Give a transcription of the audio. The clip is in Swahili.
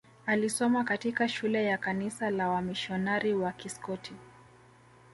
alisoma katika shule ya kanisa la wamisionari wa Kiskoti